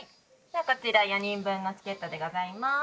ではこちら４人分のチケットでございます。